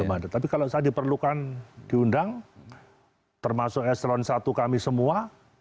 belum ada tapi kalau saya diperlukan diundang termasuk eselon i kami semua